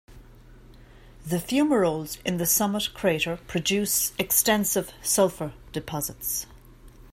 The fumaroles in the summit crater produce extensive sulfur deposits.